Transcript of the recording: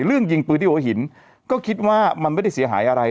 ยิงปืนที่หัวหินก็คิดว่ามันไม่ได้เสียหายอะไร